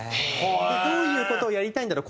どういう事をやりたいんだろう？